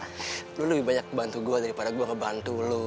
anda lebih banyak membantu saya daripada saya membantu anda